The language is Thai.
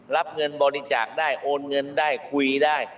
รับเงินบริจาคได้โอนเงินได้คุยได้